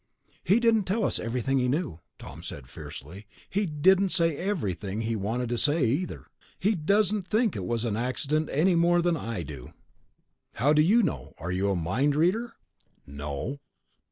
"He didn't tell us everything he knew," Tom said fiercely. "He didn't say everything he wanted to say, either. He doesn't think it was an accident any more than I do." "How do you know, are you a mind reader?" "No."